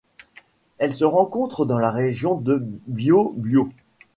Elle se rencontre dans la région du Biobío.